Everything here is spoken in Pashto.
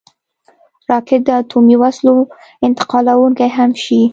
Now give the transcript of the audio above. راکټ د اټومي وسلو انتقالونکی هم شي